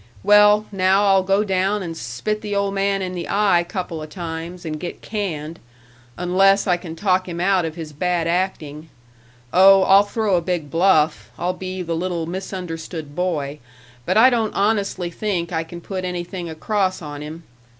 Well, now I'll go down and spit the old man in the eye couple o' times, and get canned, unless I can talk him out of his bad acting. Oh, I'll throw a big bluff. I'll be the little misunderstood boy, but I don't honestly think I can put anything across on him.